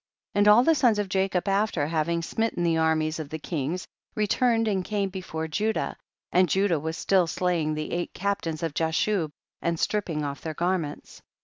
48. And all the sons of Jacob, af ter having smitten the armies of the kings, returned and came before Ju dah, and Judah was still slaying the eight captains gf Jashub, and strip ping off" their garments.